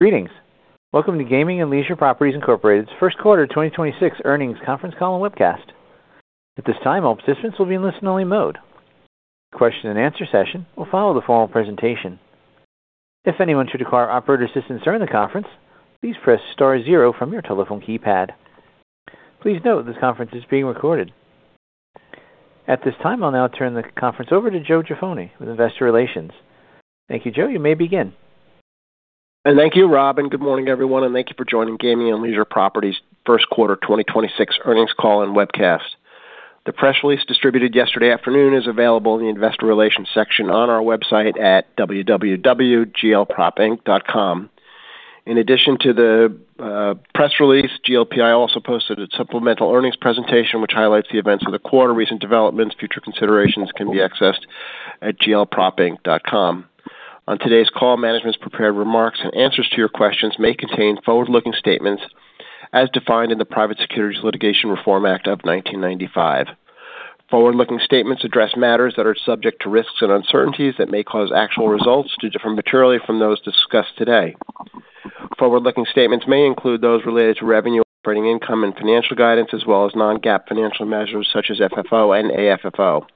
Greetings. Welcome to Gaming and Leisure Properties, Incorporated's first quarter 2026 earnings conference call and webcast. At this time, all participants will be in listen only mode. The question and answer session will follow the formal presentation. If anyone should require operator assistance during the conference, please press star zero from your telephone keypad. Please note this conference is being recorded. At this time, I'll now turn the conference over to Joe Jaffoni with Investor Relations. Thank you, Joe. You may begin. Thank you, Rob, and good morning, everyone, and thank you for joining Gaming and Leisure Properties' first quarter 2026 earnings call and webcast. The press release distributed yesterday afternoon is available in the investor relations section on our website at www.glpropinc.com. In addition to the press release, GLPI also posted its supplemental earnings presentation, which highlights the events of the quarter, recent developments, future considerations, can be accessed at glpropinc.com. On today's call, management's prepared remarks and answers to your questions may contain forward-looking statements as defined in the Private Securities Litigation Reform Act of 1995. Forward-looking statements address matters that are subject to risks and uncertainties that may cause actual results to differ materially from those discussed today. Forward-looking statements may include those related to revenue, operating income and financial guidance, as well as non-GAAP financial measures such as FFO and AFFO.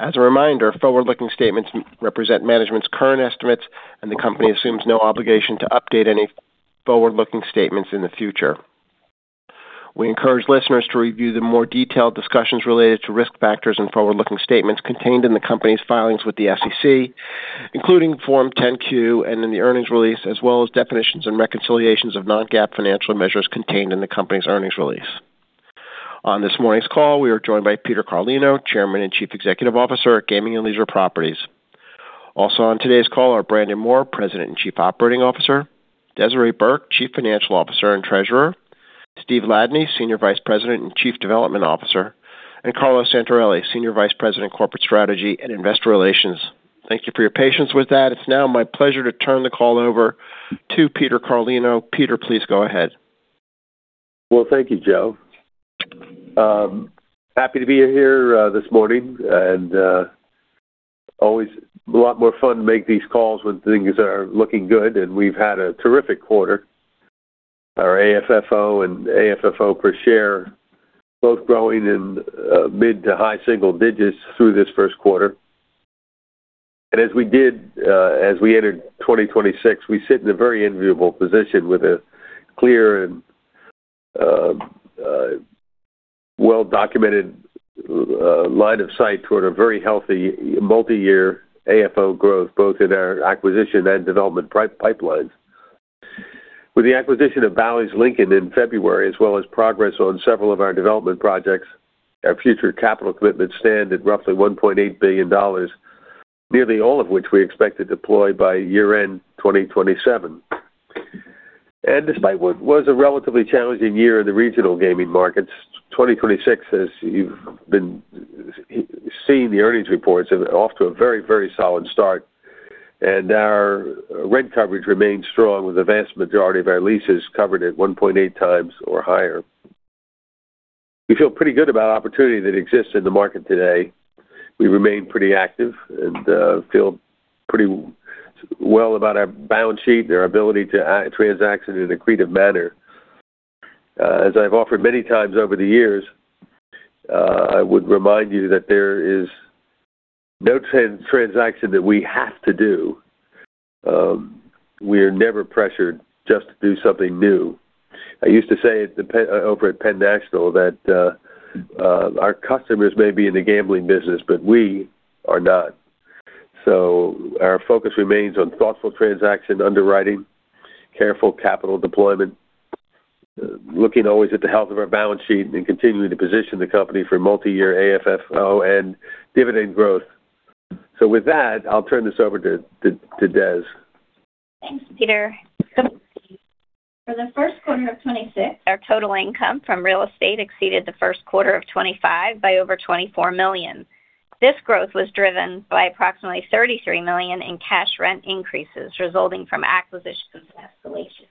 As a reminder, forward-looking statements represent management's current estimates, and the company assumes no obligation to update any forward-looking statements in the future. We encourage listeners to review the more detailed discussions related to risk factors and forward-looking statements contained in the company's filings with the SEC, including Form 10-Q and in the earnings release, as well as definitions and reconciliations of non-GAAP financial measures contained in the company's earnings release. On this morning's call, we are joined by Peter Carlino, Chairman and Chief Executive Officer at Gaming and Leisure Properties. Also on today's call are Brandon Moore, President and Chief Operating Officer. Desiree Burke, Chief Financial Officer and Treasurer, Steve Ladany, Senior Vice President and Chief Development Officer, and Carlo Santarelli, Senior Vice President, Corporate Strategy and Investor Relations. Thank you for your patience with that. It's now my pleasure to turn the call over to Peter Carlino. Peter, please go ahead. Well, thank you, Joe. Happy to be here this morning and always a lot more fun to make these calls when things are looking good, and we've had a terrific quarter. Our AFFO and AFFO per share both growing in mid- to high-single digits through this first quarter. As we did, as we entered 2024, we sit in a very enviable position with a clear and well-documented line of sight toward a very healthy multi-year AFFO growth, both in our acquisition and development pipelines. With the acquisition of Bally's Lincoln in February, as well as progress on several of our development projects, our future capital commitments stand at roughly $1.8 billion, nearly all of which we expect to deploy by year-end 2027. Despite what was a relatively challenging year in the regional gaming markets, 2023, as you've been seeing the earnings reports, off to a very solid start. Our rent coverage remains strong, with the vast majority of our leases covered at 1.8x or higher. We feel pretty good about opportunity that exists in the market today. We remain pretty active and feel pretty well about our balance sheet and our ability to act on transaction in an accretive manner. As I've offered many times over the years, I would remind you that there is no transaction that we have to do. We are never pressured just to do something new. I used to say over at Penn National that our customers may be in the gambling business, but we are not. Our focus remains on thoughtful transaction underwriting, careful capital deployment, looking always at the health of our balance sheet, and continuing to position the company for multi-year AFFO and dividend growth. With that, I'll turn this over to Des. Thanks, Peter. For the first quarter of 2026, our total income from real estate exceeded the first quarter of 2025 by over $24 million. This growth was driven by approximately $33 million in cash rent increases resulting from acquisitions and escalations.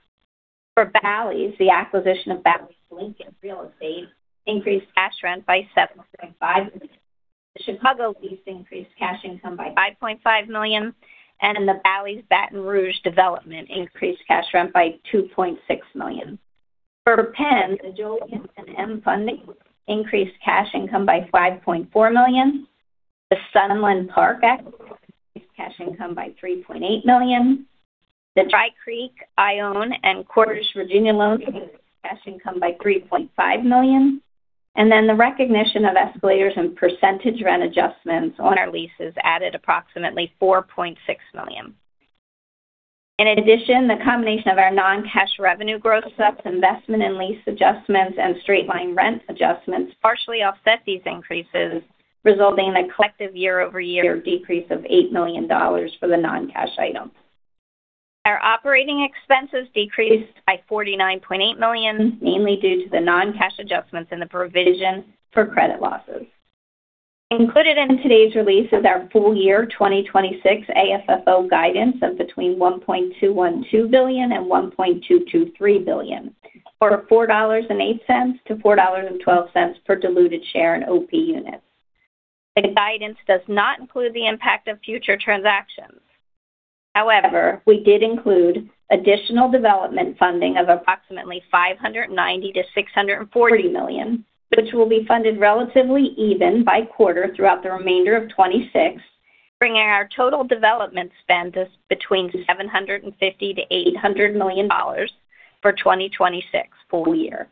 For Bally's, the acquisition of Bally's Lincoln real estate increased cash rent by $7.5 million. The Chicago lease increased cash income by $5.5 million, and the Bally's Baton Rouge development increased cash rent by $2.6 million. For PENN, the Joliet M funding increased cash income by $5.4 million. The Sunland Park increased cash income by $3.8 million. The Dry Creek, Ione, and Cordish Virginia loans increased cash income by $3.5 million. The recognition of escalators and percentage rent adjustments on our leases added approximately $4.6 million. In addition, the combination of our non-cash revenue gross ups, investment in lease adjustments and straight line rent adjustments partially offset these increases, resulting in a collective year-over-year decrease of $8 million for the non-cash items. Our operating expenses decreased by $49.8 million, mainly due to the non-cash adjustments in the provision for credit losses. Included in today's release is our full year 2026 AFFO guidance of between $1.212 billion and $1.223 billion. For $4.08 to $4.12 per diluted share in OP units. The guidance does not include the impact of future transactions. However, we did include additional development funding of approximately $590 million-$640 million, which will be funded relatively even by quarter throughout the remainder of 2026, bringing our total development spend to between $750 million-$800 million for 2026 full year.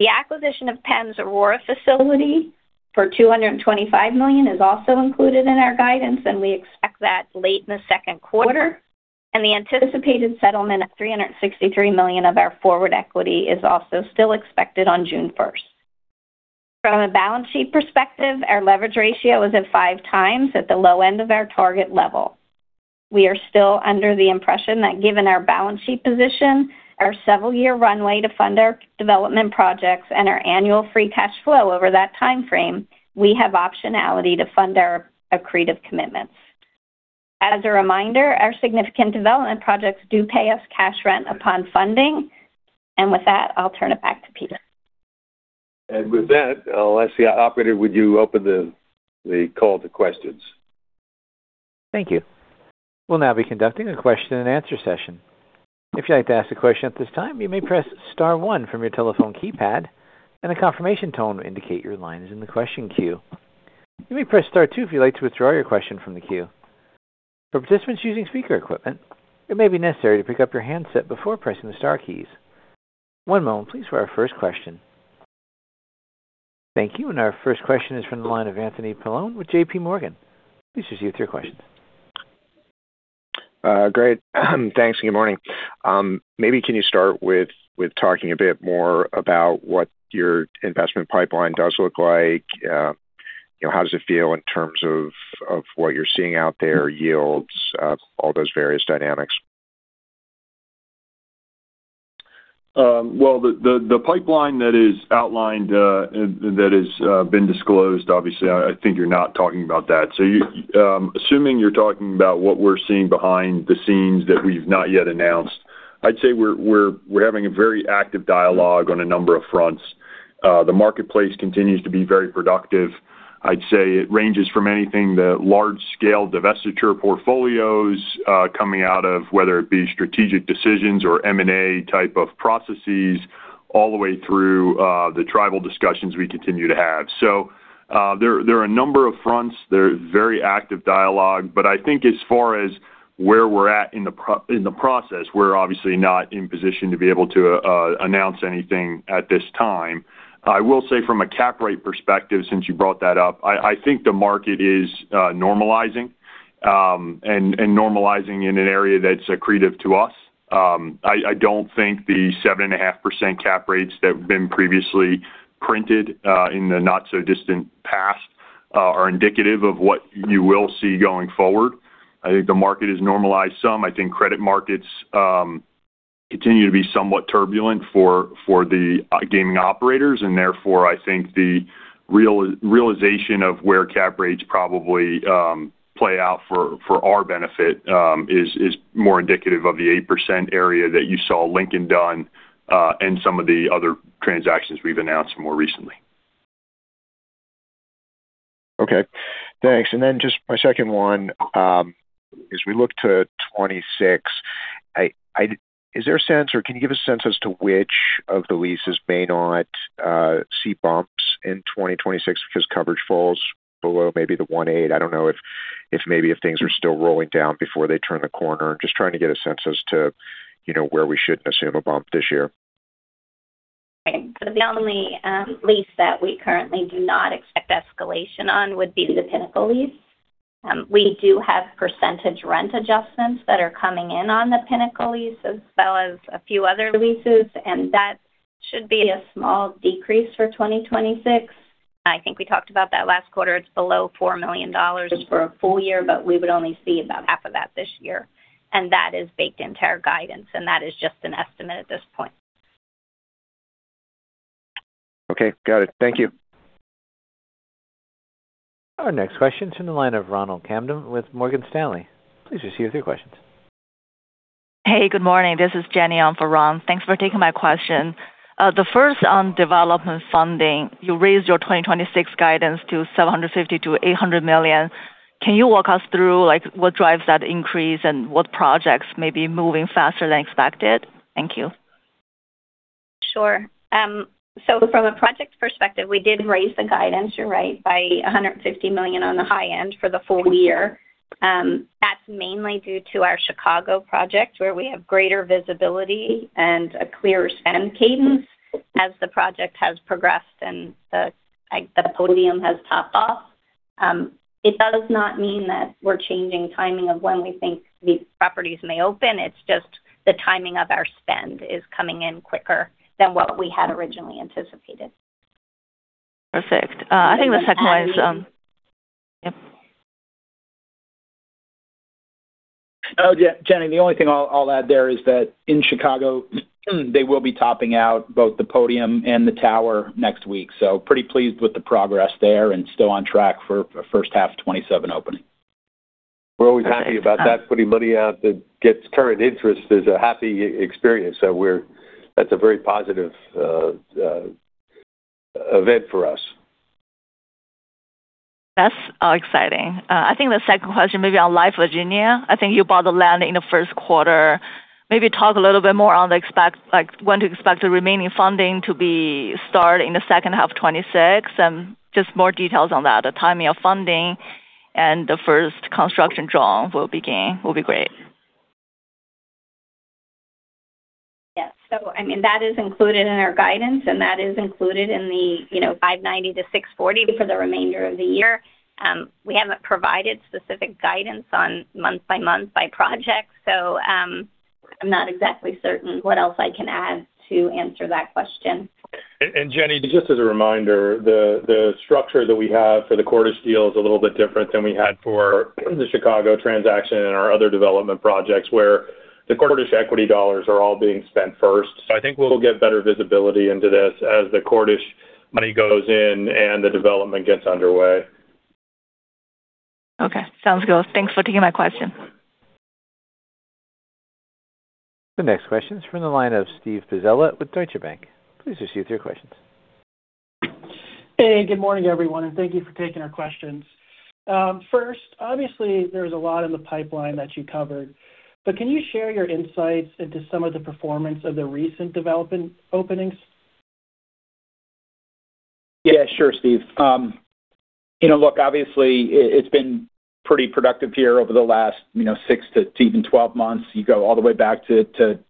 The acquisition of PENN's Aurora facility for $225 million is also included in our guidance, and we expect that late in the second quarter, and the anticipated settlement of $363 million of our forward equity is also still expected on June 1st. From a balance sheet perspective, our leverage ratio is at 5x, at the low end of our target level. We are still under the impression that given our balance sheet position, our several-year runway to fund our development projects, and our annual free cash flow over that time frame, we have optionality to fund our accretive commitments. As a reminder, our significant development projects do pay us cash rent upon funding. With that, I'll turn it back to Peter. With that, let's see. Operator, would you open the call to questions? Thank you. We'll now be conducting a question and answer session. If you'd like to ask a question at this time, you may press star one from your telephone keypad, and a confirmation tone will indicate your line is in the question queue. You may press star two if you'd like to withdraw your question from the queue. For participants using speaker equipment, it may be necessary to pick up your handset before pressing the star keys. One moment please, for our first question. Thank you. Our first question is from the line of Anthony Paolone with JPMorgan. Please proceed with your question. Great. Thanks, and good morning. Maybe you can start with talking a bit more about what your investment pipeline does look like. How does it feel in terms of what you're seeing out there, yields, all those various dynamics? Well, the pipeline that is outlined, that has been disclosed, obviously, I think you're not talking about that. Assuming you're talking about what we're seeing behind the scenes that we've not yet announced, I'd say we're having a very active dialogue on a number of fronts. The marketplace continues to be very productive. I'd say it ranges from anything to large scale divestiture portfolios, coming out of, whether it be strategic decisions or M&A type of processes, all the way through the tribal discussions we continue to have. There are a number of fronts. There is very active dialogue. But I think as far as where we're at in the process, we're obviously not in position to be able to announce anything at this time. I will say from a cap rate perspective, since you brought that up, I think the market is normalizing, and normalizing in an area that's accretive to us. I don't think the 7.5% cap rates that have been previously printed, in the not so distant past, are indicative of what you will see going forward. I think the market has normalized some. I think credit markets continue to be somewhat turbulent for the gaming operators, and therefore, I think the realization of where cap rates probably play out for our benefit is more indicative of the 8% area that you saw Lincoln done, and some of the other transactions we've announced more recently. Okay, thanks. Just my second one. As we look to 2026, is there a sense or can you give a sense as to which of the leases may not see bumps in 2026 because coverage falls below maybe the 1.8? I don't know if maybe if things are still rolling down before they turn the corner. Just trying to get a sense as to where we should assume a bump this year. The only lease that we currently do not expect escalation on would be the Pinnacle lease. We do have percentage rent adjustments that are coming in on the Pinnacle lease as well as a few other leases, and that should be a small decrease for 2026. I think we talked about that last quarter. It's below $4 million just for a full year, but we would only see about half of that this year. That is baked into our guidance, and that is just an estimate at this point. Okay, got it. Thank you. Our next question's from the line of Ronald Kamdem with Morgan Stanley. Please proceed with your questions. Hey, good morning. This is Jenny on for Ron. Thanks for taking my question. The first on development funding. You raised your 2026 guidance to $750 million-$800 million. Can you walk us through what drives that increase and what projects may be moving faster than expected? Thank you. Sure. From a project perspective, we did raise the guidance, you're right, by $150 million on the high end for the full year. That's mainly due to our Chicago project where we have greater visibility and a clearer spend cadence as the project has progressed and the podium has topped off. It does not mean that we're changing timing of when we think these properties may open. It's just the timing of our spend is coming in quicker than what we had originally anticipated. Perfect. I think the second one is. Yep. Jenny, the only thing I'll add there is that in Chicago, they will be topping out both the podium and the tower next week. Pretty pleased with the progress there and still on track for a first half 2027 opening. We're always happy about that. Putting money out that gets current interest is a happy experience. That's a very positive event for us. That's exciting. I think the second question may be on Live! Virginia. I think you bought the land in the first quarter. Maybe talk a little bit more on when to expect the remaining funding to be started in the second half 2026, and just more details on that, the timing of funding, and the first construction draw will begin, will be great. Yes. That is included in our guidance, and that is included in the $590 million-$640 million for the remainder of the year. We haven't provided specific guidance on month-by- month by project. I'm not exactly certain what else I can add to answer that question. Jenny, just as a reminder, the structure that we have for the Cordish deal is a little bit different than we had for the Chicago transaction and our other development projects, where the Cordish equity dollars are all being spent first. I think we'll get better visibility into this as the Cordish money goes in and the development gets underway. Okay, sounds good. Thanks for taking my question. The next question is from the line of Steve Pizzella with Deutsche Bank. Please proceed with your questions. Hey, good morning, everyone, and thank you for taking our questions. First, obviously, there's a lot in the pipeline that you covered, but can you share your insights into some of the performance of the recent development openings? Yeah, sure, Steve. Look, obviously, it's been pretty productive here over the last six to even 12 months. You go all the way back to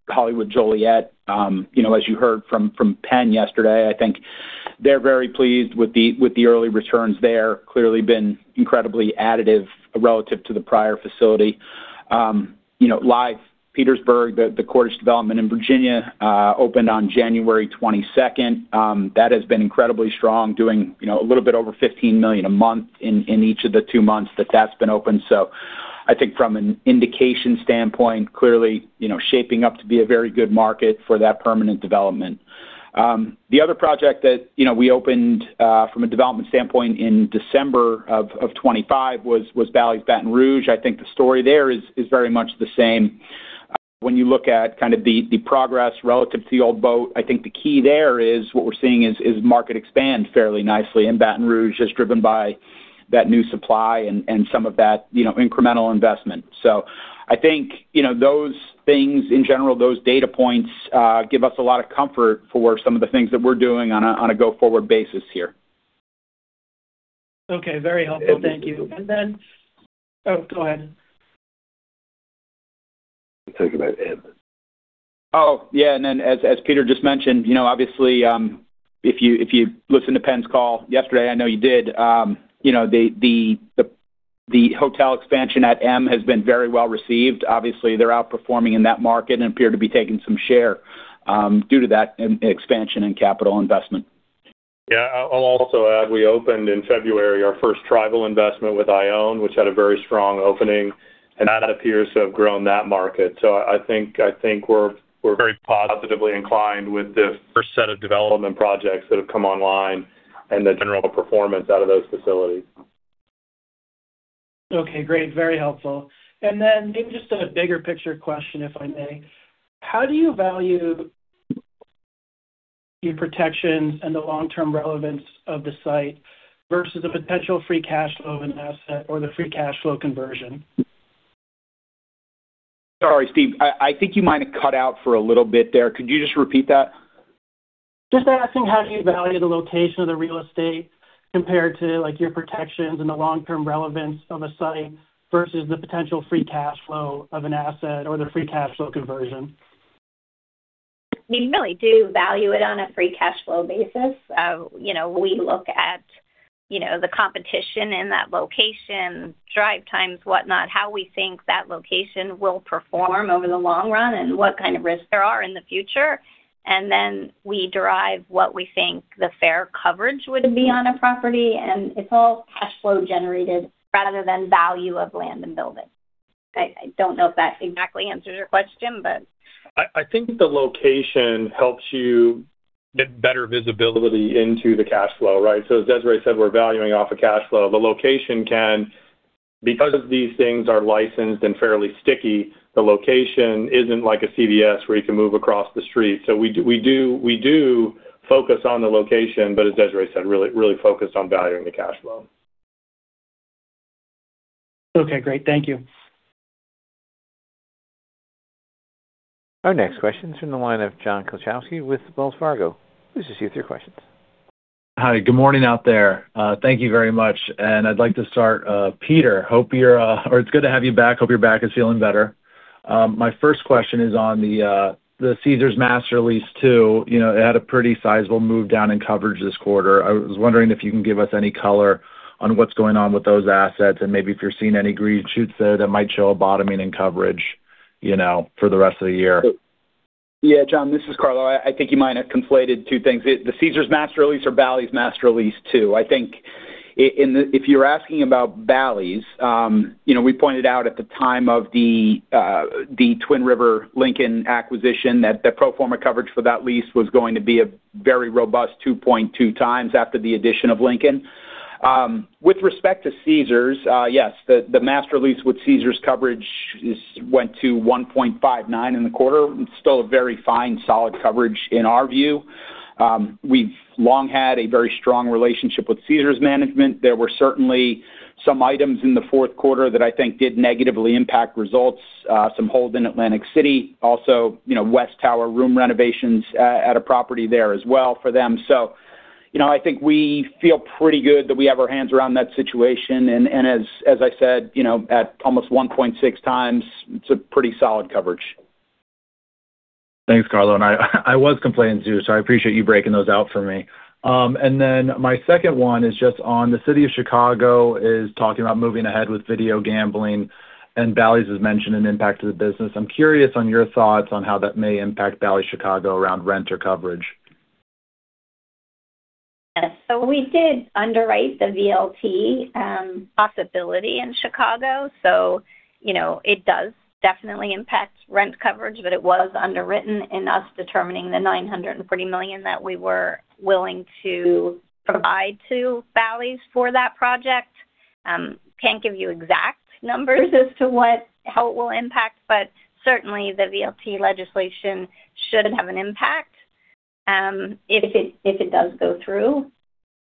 Hollywood Joliet. As you heard from PENN yesterday, I think they're very pleased with the early returns there. Clearly been incredibly additive relative to the prior facility. Live! Petersburg, the Cordish development in Virginia, opened on January 22nd. That has been incredibly strong, doing a little bit over $15 million a month in each of the two months that that's been open. I think from an indication standpoint, clearly shaping up to be a very good market for that permanent development. The other project that we opened from a development standpoint in December of 2025 was Bally's Baton Rouge. I think the story there is very much the same. When you look at the progress relative to the old boat, I think the key there is what we're seeing is the market expanding fairly nicely in Baton Rouge, just driven by that new supply and some of that incremental investment. I think, those things in general, those data points, give us a lot of comfort for some of the things that we're doing on a go-forward basis here. Okay. Very helpful. Thank you. Oh, go ahead. Talk about PENN. Oh, yeah. As Peter just mentioned, obviously, if you listened to PENN's call yesterday, I know you did, the hotel expansion at M has been very well-received. Obviously, they're outperforming in that market and appear to be taking some share due to that expansion in capital investment. Yeah. I'll also add, we opened in February our first tribal investment with Ione, which had a very strong opening, and that appears to have grown that market. I think we're very positively inclined with the first set of development projects that have come online and the general performance out of those facilities. Okay, great. Very helpful. Maybe just a bigger picture question, if I may. How do you value your protections and the long-term relevance of the site versus the potential free cash flow of an asset or the free cash flow conversion? Sorry, Steve. I think you might have cut out for a little bit there. Could you just repeat that? Just asking, how do you value the location of the real estate compared to your protections and the long-term relevance of a site versus the potential free cash flow of an asset or the free cash flow conversion? We really do value it on a free cash flow basis. We look at the competition in that location, drive times, whatnot, how we think that location will perform over the long run, and what kind of risks there are in the future. We derive what we think the fair coverage would be on a property, and it's all cash flow generated rather than value of land and building. I don't know if that exactly answers your question. I think the location helps you get better visibility into the cash flow, right? As Desiree said, we're valuing off of cash flow. Because these things are licensed and fairly sticky, the location isn't like a CVS where you can move across the street. We do focus on the location, but as Desiree said, really focused on valuing the cash flow. Okay, great. Thank you. Our next question's from the line of John Kilichowski with Wells Fargo. Please proceed with your questions. Hi. Good morning out there. Thank you very much. I'd like to start. Peter, it's good to have you back. Hope your back is feeling better. My first question is on the Caesars Master Lease too. It had a pretty sizable move down in coverage this quarter. I was wondering if you can give us any color on what's going on with those assets and maybe if you're seeing any green shoots there that might show a bottoming in coverage for the rest of the year. Yeah, John, this is Carlo. I think you might have conflated two things. The Caesars Master Lease or Bally's Master Lease too. I think if you're asking about Bally's, we pointed out at the time of the Twin River Lincoln acquisition that the pro forma coverage for that lease was going to be a very robust 2.2x after the addition of Lincoln. With respect to Caesars, yes, the Master Lease with Caesars coverage went to 1.59 in the quarter. It's still a very fine, solid coverage in our view. We've long had a very strong relationship with Caesars management. There were certainly some items in the fourth quarter that I think did negatively impact results. Some hold in Atlantic City, also West Tower room renovations at a property there as well for them. I think we feel pretty good that we have our hands around that situation and as I said, at almost 1.6x, it's a pretty solid coverage. Thanks, Carlo. I was complaining too, so I appreciate you breaking those out for me. Then my second one is just on the city of Chicago is talking about moving ahead with video gambling, and Bally's has mentioned an impact to the business. I'm curious on your thoughts on how that may impact Bally's Chicago around rent or coverage. Yes. We did underwrite the VLT possibility in Chicago. It does definitely impact rent coverage, but it was underwritten in our determining the $940 million that we were willing to provide to Bally's for that project. Can't give you exact numbers as to how it will impact, but certainly, the VLT legislation should have an impact, if it does go through.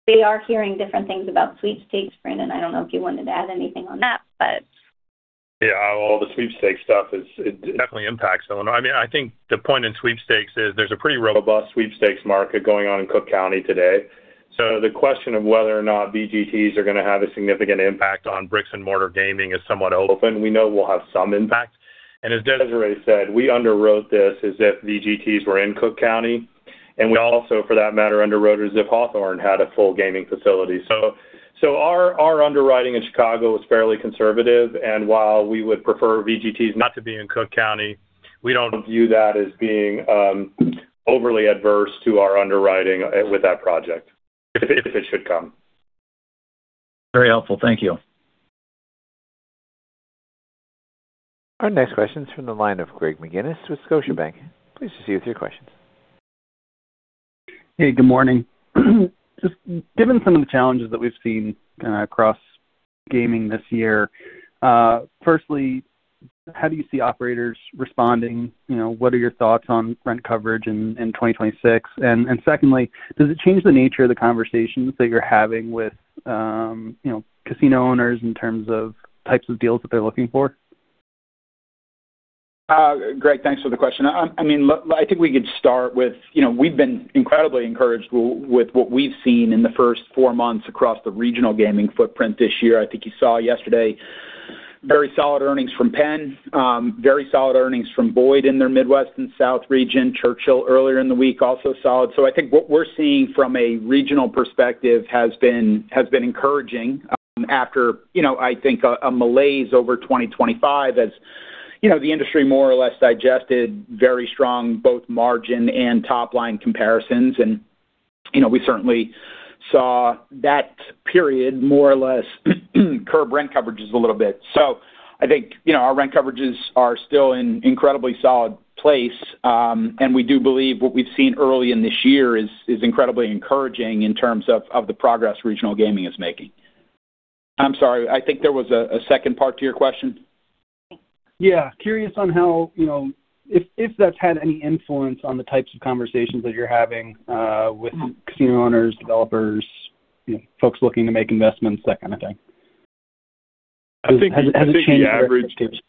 We are hearing different things about sweepstakes. Brandon, I don't know if you wanted to add anything on that. Yeah. All the sweepstakes stuff, it definitely impacts Illinois. I think the point in sweepstakes is there's a pretty robust sweepstakes market going on in Cook County today. The question of whether or not VGTs are going to have a significant impact on brick-and-mortar gaming is somewhat open. We know we'll have some impact. As Desiree said, we underwrote this as if VGTs were in Cook County. We also, for that matter, underwrote as if Hawthorne had a full gaming facility. Our underwriting in Chicago is fairly conservative. While we would prefer VGTs not to be in Cook County, we don't view that as being overly adverse to our underwriting with that project, if it should come. Very helpful. Thank you. Our next question's from the line of Greg McGinniss with Scotiabank. Please proceed with your questions. Hey, good morning. Just given some of the challenges that we've seen across gaming this year, firstly, how do you see operators responding? What are your thoughts on rent coverage in 2026? Secondly, does it change the nature of the conversations that you're having with casino owners in terms of types of deals that they're looking for? Greg, thanks for the question. I think we could start with, we've been incredibly encouraged with what we've seen in the first four months across the regional gaming footprint this year. I think you saw yesterday very solid earnings from PENN, very solid earnings from Boyd in their Midwest and South region, Churchill earlier in the week, also solid. I think what we're seeing from a regional perspective has been encouraging after I think a malaise over 2025 as the industry more or less digested very strong, both margin and top-line comparisons. We certainly saw that period more or less curbed rent coverages a little bit. I think, our rent coverages are still in incredibly solid place. We do believe what we've seen early in this year is incredibly encouraging in terms of the progress regional gaming is making. I'm sorry, I think there was a second part to your question. Yeah. Curious on how, if that's had any influence on the types of conversations that you're having with casino owners, developers, folks looking to make investments, that kind of thing. Has it changed your conversations?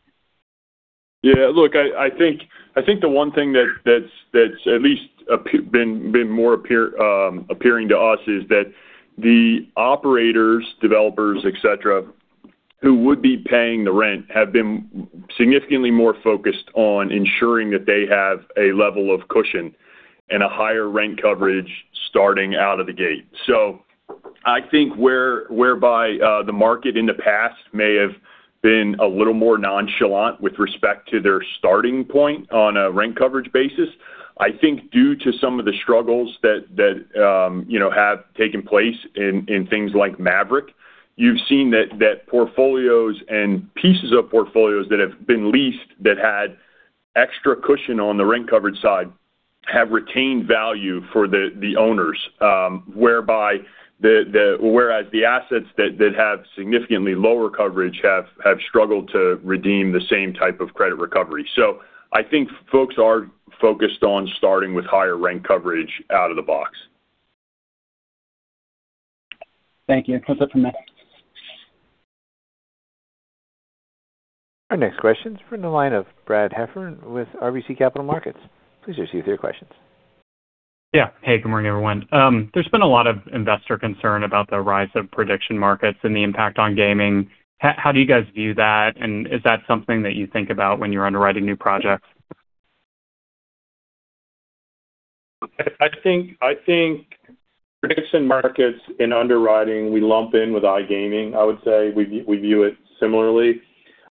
Yeah, look, I think the one thing that's at least been more appearing to us is that the operators, developers, et cetera, who would be paying the rent, have been significantly more focused on ensuring that they have a level of cushion and a higher rent coverage starting out of the gate. I think whereby the market in the past may have been a little more nonchalant with respect to their starting point on a rent coverage basis. I think due to some of the struggles that have taken place in things like Maverick, you've seen that portfolios and pieces of portfolios that have been leased that had extra cushion on the rent coverage side have retained value for the owners. Whereas the assets that have significantly lower coverage have struggled to redeem the same type of credit recovery. I think folks are focused on starting with higher rent coverage out of the box. Thank you. That's it from me. Our next question's from the line of Brad Heffern with RBC Capital Markets. Please proceed with your questions. Yeah. Hey, good morning, everyone. There's been a lot of investor concern about the rise of prediction markets and the impact on gaming. How do you guys view that, and is that something that you think about when you're underwriting new projects? I think prediction markets in underwriting, we lump in with iGaming. I would say we view it similarly.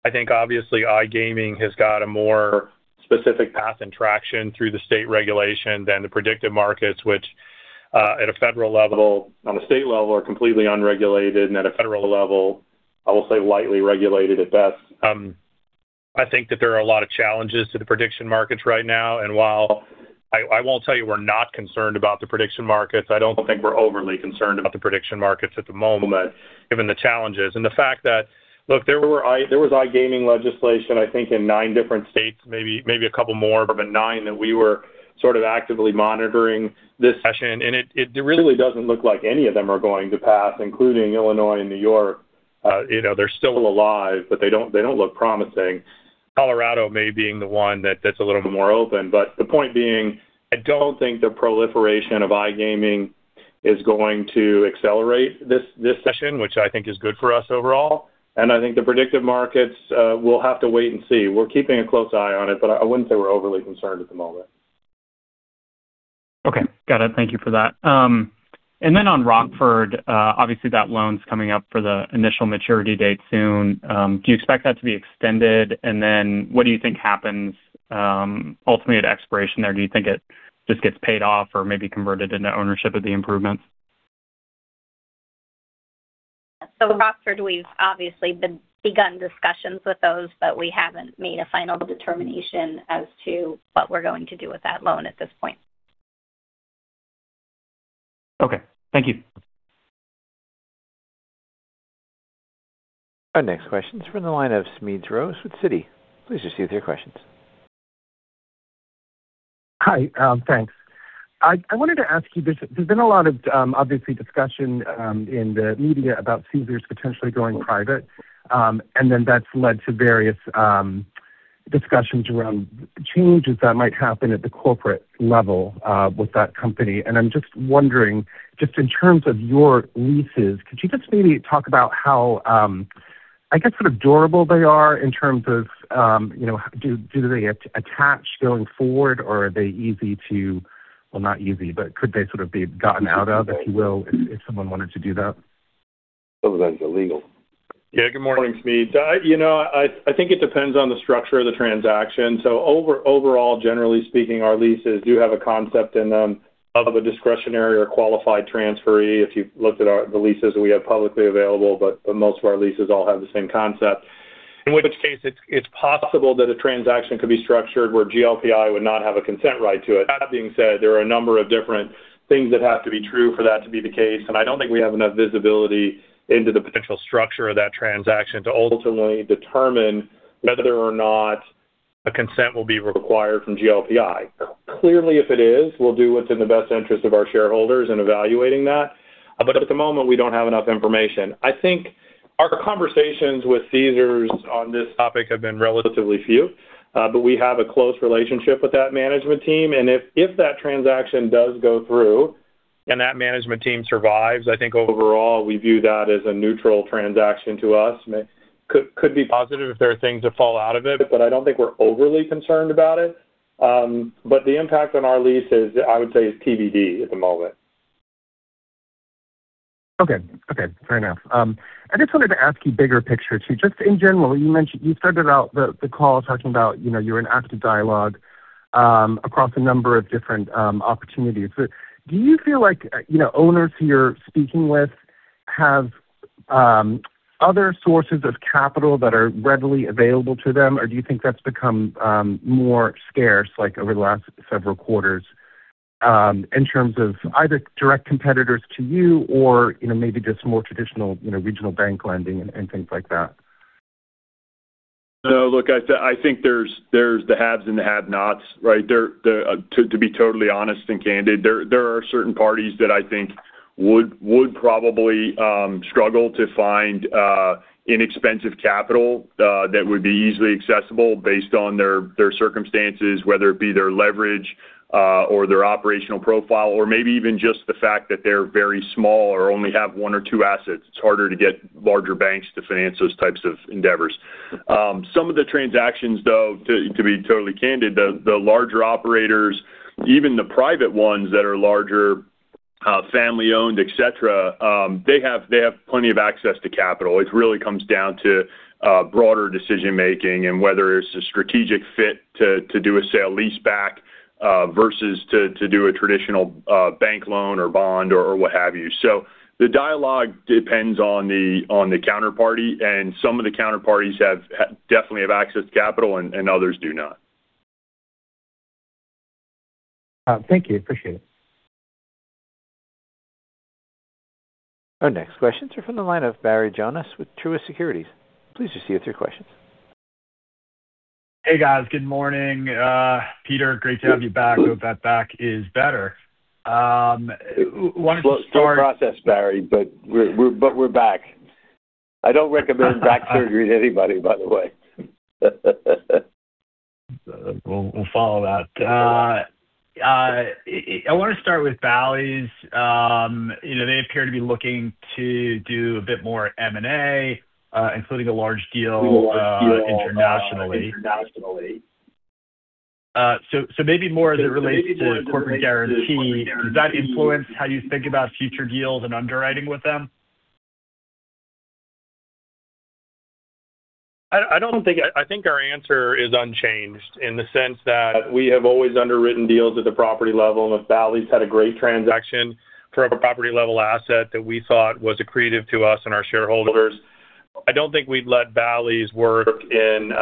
I think obviously iGaming has got a more specific path and traction through the state regulation than the predictive markets, which on a state level, are completely unregulated, and at a federal level, I will say lightly regulated at best. I think that there are a lot of challenges to the prediction markets right now, and while I won't tell you we're not concerned about the prediction markets, I don't think we're overly concerned about the prediction markets at the moment, given the challenges and the fact that, look, there was iGaming legislation, I think in nine different states, maybe a couple more, but nine that we were sort of actively monitoring this session. It really doesn't look like any of them are going to pass, including Illinois and New York. They're still alive, but they don't look promising. Colorado may be the one that's a little bit more open. The point being, I don't think the proliferation of iGaming is going to accelerate this session, which I think is good for us overall. I think the prediction markets, we'll have to wait and see. We're keeping a close eye on it, but I wouldn't say we're overly concerned at the moment. Okay. Got it. Thank you for that. On Rockford, obviously that loan's coming up for the initial maturity date soon. Do you expect that to be extended? What do you think happens, ultimately, at expiration there? Do you think it just gets paid off or maybe converted into ownership of the improvements? Rockford, we've obviously begun discussions with those, but we haven't made a final determination as to what we're going to do with that loan at this point. Okay. Thank you. Our next question's from the line of Smedes Rose with Citi. Please proceed with your questions. Hi. Thanks. I wanted to ask you this. There's been a lot of, obviously, discussion in the media about Caesars potentially going private. Then that's led to various discussions around changes that might happen at the corporate level, with that company. I'm just wondering, just in terms of your leases, could you just maybe talk about how, I guess, sort of durable they are in terms of, do they attach going forward or are they easy to, well, not easy, but could they sort of be gotten out of, if you will, if someone wanted to do that? Some of that is illegal. Yeah. Good morning, Smedes. I think it depends on the structure of the transaction. Overall, generally speaking, our leases do have a concept in them of a discretionary or qualified transferee, if you've looked at the leases that we have publicly available, but most of our leases all have the same concept. In which case, it's possible that a transaction could be structured where GLPI would not have a consent right to it. That being said, there are a number of different things that have to be true for that to be the case, and I don't think we have enough visibility into the potential structure of that transaction to ultimately determine whether or not a consent will be required from GLPI. Clearly, if it is, we'll do what's in the best interest of our shareholders in evaluating that. At the moment, we don't have enough information. I think our conversations with Caesars on this topic have been relatively few. We have a close relationship with that management team, and if that transaction does go through and that management team survives, I think overall, we view that as a neutral transaction to us. Could be positive if there are things that fall out of it, but I don't think we're overly concerned about it. The impact on our leases, I would say, is TBD at the moment. Okay. Fair enough. I just wanted to ask you bigger picture too, just in general, you started out the call talking about you're in active dialogue across a number of different opportunities. Do you feel like owners who you're speaking with have other sources of capital that are readily available to them, or do you think that's become more scarce over the last several quarters, in terms of either direct competitors to you or maybe just more traditional regional bank lending and things like that? No, look, I think there's the haves and the have-nots, right? To be totally honest and candid, there are certain parties that I think would probably struggle to find inexpensive capital, that would be easily accessible based on their circumstances, whether it be their leverage, or their operational profile, or maybe even just the fact that they're very small or only have one or two assets. It's harder to get larger banks to finance those types of endeavors. Some of the transactions, though, to be totally candid, the larger operators, even the private ones that are larger, family-owned, et cetera, they have plenty of access to capital. It really comes down to broader decision-making and whether it's a strategic fit to do a sale-leaseback, versus to do a traditional bank loan or bond or what have you. The dialogue depends on the counterparty, and some of the counterparties definitely have access to capital and others do not. Thank you. Appreciate it. Our next questions are from the line of Barry Jonas with Truist Securities. Please proceed with your questions. Hey, guys. Good morning. Peter, great to have you back. Hope that back is better. Wanted to start. Slow process, Barry, but we're back. I don't recommend back surgery to anybody, by the way. We'll follow that. I want to start with Bally's. They appear to be looking to do a bit more M&A, including a large deal internationally. Maybe more as it relates to corporate guarantee, does that influence how you think about future deals and underwriting with them? I think our answer is unchanged in the sense that we have always underwritten deals at the property level, and if Bally's had a great transaction for a property-level asset that we thought was accretive to us and our shareholders. I don't think we'd let Bally's work and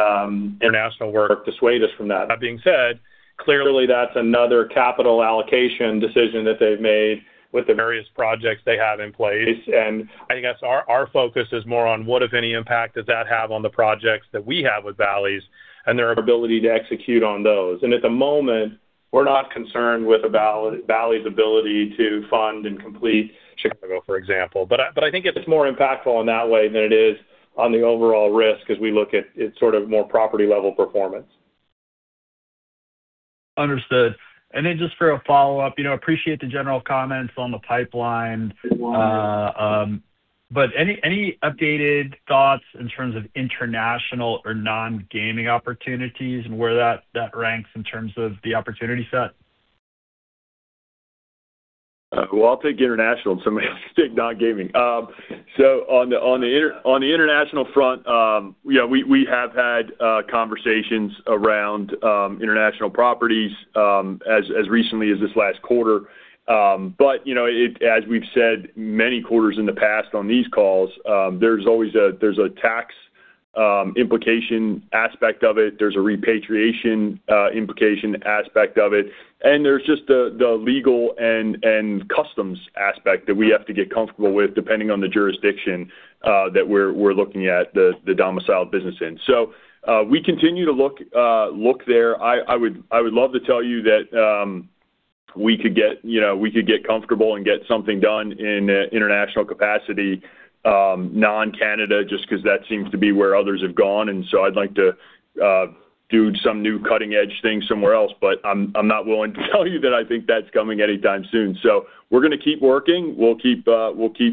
international work dissuade us from that. That being said, clearly that's another capital allocation decision that they've made with the various projects they have in place, and I think that's our focus is more on what, if any, impact does that have on the projects that we have with Bally's and their ability to execute on those. At the moment, we're not concerned with Bally's ability to fund and complete Chicago, for example. I think it's more impactful in that way than it is on the overall risk as we look at it, sort of more property-level performance. Understood. Just for a follow-up, I appreciate the general comments on the pipeline. Any updated thoughts in terms of international or non-gaming opportunities and where that ranks in terms of the opportunity set? Well, I'll take international and somebody else can take non-gaming. On the international front, we have had conversations around international properties as recently as this last quarter. As we've said many quarters in the past on these calls, there's a tax implication aspect of it, there's a repatriation implication aspect of it, and there's just the legal and customs aspect that we have to get comfortable with, depending on the jurisdiction that we're looking at the domiciled business in. We continue to look there. I would love to tell you that we could get comfortable and get something done in an international capacity, non-Canada, just because that seems to be where others have gone, and so I'd like to do some new cutting-edge thing somewhere else. I'm not willing to tell you that I think that's coming anytime soon. We're going to keep working. We'll keep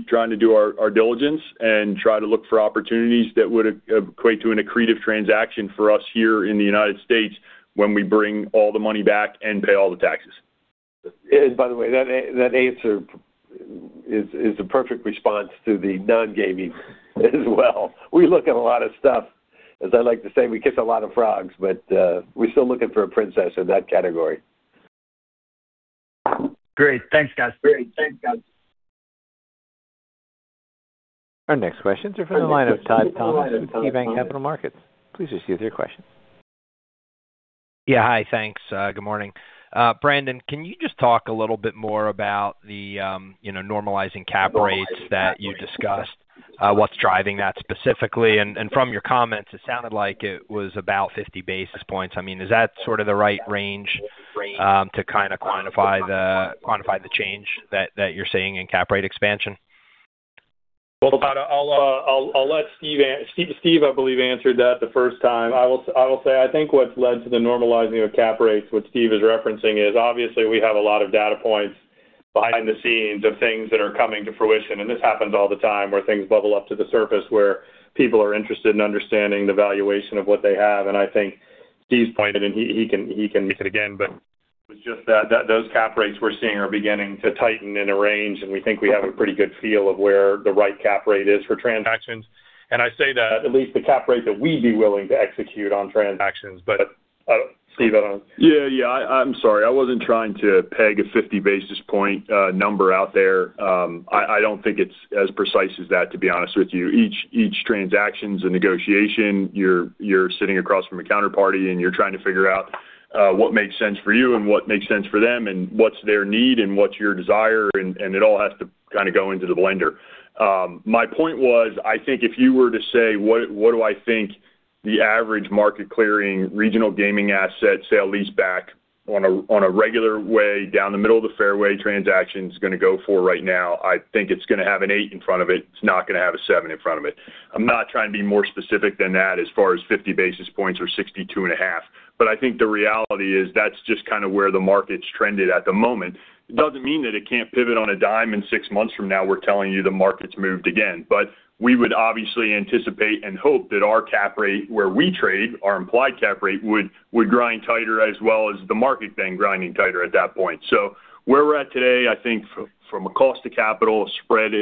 trying to do our diligence and try to look for opportunities that would equate to an accretive transaction for us here in the United States when we bring all the money back and pay all the taxes. By the way, that answer is a perfect response to the non-gaming as well. We look at a lot of stuff. As I like to say, we kiss a lot of frogs, but we're still looking for a princess in that category. Great. Thanks, guys. Our next questions are from the line of Todd Thomas with KeyBanc Capital Markets. Please proceed with your question. Yeah. Hi. Thanks. Good morning. Brandon, can you just talk a little bit more about the normalizing cap rates that you discussed, what's driving that specifically? From your comments, it sounded like it was about 50 basis points. Is that sort of the right range to kind of quantify the change that you're seeing in cap rate expansion? Well, Todd, I'll let Steve answer. Steve, I believe, answered that the first time. I will say, I think what's led to the normalizing of cap rates, what Steve is referencing is obviously we have a lot of data points behind the scenes of things that are coming to fruition, and this happens all the time, where things bubble up to the surface, where people are interested in understanding the valuation of what they have. I think Steve's pointed, and he can make it again, but it was just that those cap rates we're seeing are beginning to tighten and arrange, and we think we have a pretty good feel of where the right cap rate is for transactions. I say that at least the cap rate that we'd be willing to execute on transactions. Steve. Yeah. I'm sorry. I wasn't trying to peg a 50 basis point number out there. I don't think it's as precise as that, to be honest with you. Each transaction's a negotiation. You're sitting across from a counterparty, and you're trying to figure out what makes sense for you and what makes sense for them, and what's their need and what's your desire, and it all has to kind of go into the blender. My point was, I think if you were to say, what do I think the average market clearing regional gaming asset sale-leaseback on a regular way down the middle of the fairway transaction is going to go for right now, I think it's going to have an eight in front of it. It's not going to have a seven in front of it. I'm not trying to be more specific than that as far as 50 basis points or 62.5 basis points. I think the reality is that's just kind of where the market's trended at the moment. It doesn't mean that it can't pivot on a dime, and six months from now, we're telling you the market's moved again. We would obviously anticipate and hope that our cap rate, where we trade, our implied cap rate, would grind tighter as well as the market then grinding tighter at that point. Where we're at today, I think from a cost to capital spread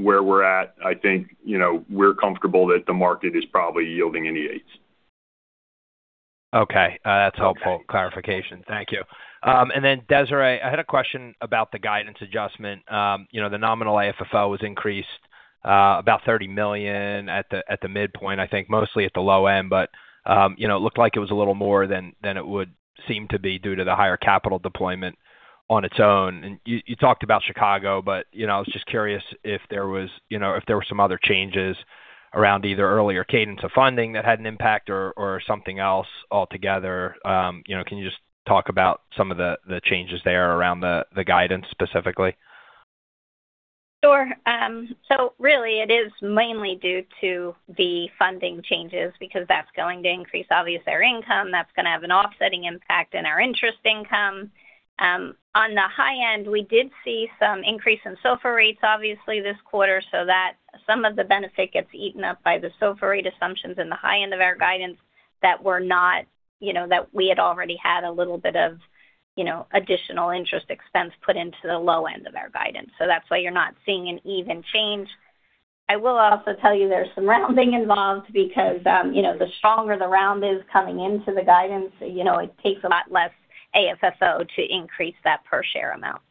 where we're at, I think we're comfortable that the market is probably yielding in the eights. Okay. That's helpful clarification. Thank you. Desiree, I had a question about the guidance adjustment. The nominal AFFO was increased about $30 million at the midpoint, I think mostly at the low end, but it looked like it was a little more than it would seem to be due to the higher capital deployment on its own. You talked about Chicago, but I was just curious if there were some other changes around either earlier cadence of funding that had an impact or something else altogether. Can you just talk about some of the changes there around the guidance specifically? Sure. Really it is mainly due to the funding changes because that's going to increase, obviously, our income. That's going to have an offsetting impact on our interest expense. On the high end, we did see some increase in SOFR rates, obviously, this quarter, so that some of the benefit gets eaten up by the SOFR rate assumptions in the high end of our guidance that we had already had a little bit of additional interest expense put into the low end of our guidance. That's why you're not seeing an even change. I will also tell you there's some rounding involved because the stronger the run-rate is coming into the guidance, it takes a lot less AFFO to increase that per share amount.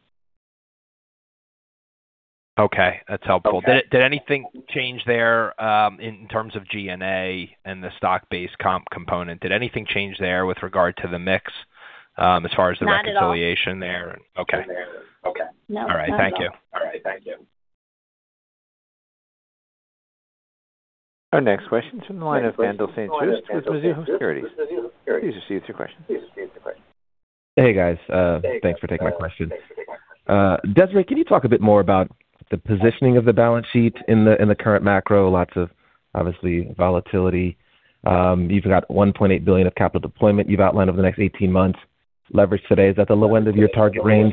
Okay. That's helpful. Did anything change there in terms of G&A and the stock-based comp component? Did anything change there with regard to the mix, as far as the? Not at all. Reconciliation there? Okay. No. Not at all. All right. Thank you. Our next question's from the line of Haendel St. Juste with Mizuho Securities. Please proceed with your question. Hey, guys. Thanks for taking my question. Desiree, can you talk a bit more about the positioning of the balance sheet in the current macro? Lots of, obviously, volatility. You've got $1.8 billion of capital deployment you've outlined over the next 18 months. Leverage today, is that the low end of your target range?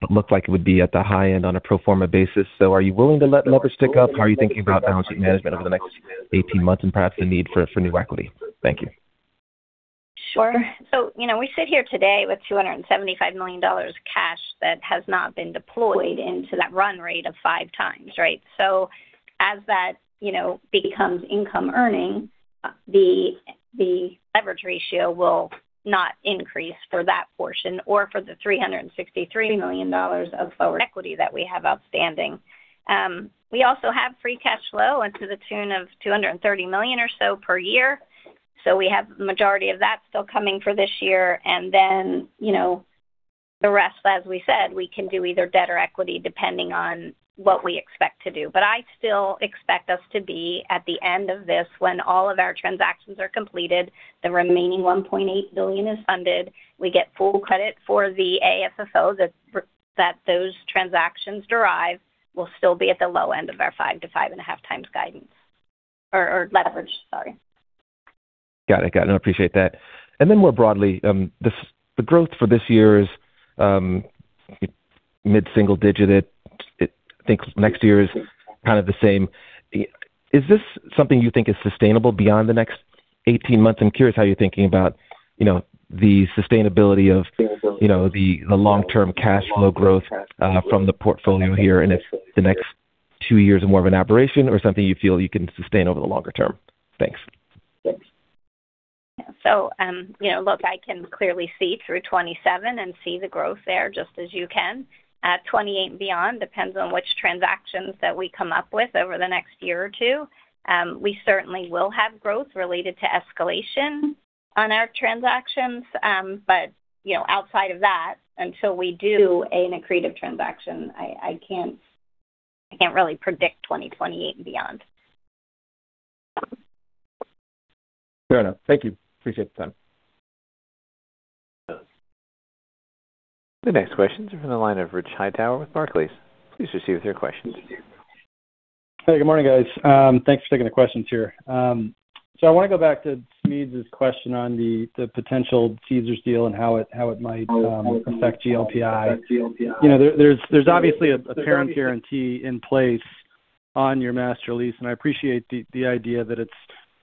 But looked like it would be at the high end on a pro forma basis. Are you willing to let leverage tick up? How are you thinking about balance sheet management over the next 18 months and perhaps the need for new equity? Thank you. Sure. We sit here today with $275 million cash that has not been deployed into that run rate of 5x, right? As that becomes income earning, the leverage ratio will not increase for that portion or for the $363 million of forward equity that we have outstanding. We also have free cash flow in the tune of $230 million or so per year. We have majority of that still coming for this year. The rest, as we said, we can do either debt or equity depending on what we expect to do. I still expect us to be at the end of this when all of our transactions are completed, the remaining $1.8 billion is funded, we get full credit for the AFFOs that those transactions derive, we'll still be at the low end of our 5x-5.5x guidance or leverage, sorry. Got it. No, I appreciate that. More broadly, the growth for this year is mid-single digit. It thinks next year is kind of the same. Is this something you think is sustainable beyond the next 18 months? I'm curious how you're thinking about the sustainability of the long-term cash flow growth from the portfolio here, and if the next two years are more of an aberration or something you feel you can sustain over the longer term. Thanks. Look, I can clearly see through 2027 and see the growth there just as you can. At 2028 and beyond, it depends on which transactions that we come up with over the next year or two. We certainly will have growth related to escalation on our transactions. Outside of that, until we do an accretive transaction, I can't really predict 2028 and beyond. Fair enough. Thank you. Appreciate the time. The next question's from the line of Richard Hightower with Barclays. Please proceed with your question. Hey, good morning, guys. Thanks for taking the questions here. I want to go back to Smedes's question on the potential Caesars deal and how it might affect GLPI. There's obviously a parent guarantee in place on your Master Lease, and I appreciate the idea that it's